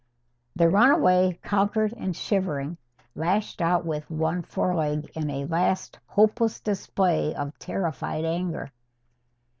The runaway, conquered and shivering, lashed out with one foreleg in a last hopeless display of terrified anger.